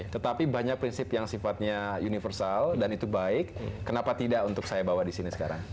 tetapi banyak prinsip yang sifatnya universal dan itu baik kenapa tidak untuk saya bawa di sini sekarang